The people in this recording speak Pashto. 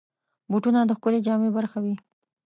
بوټونه د ښکلې جامې برخه وي.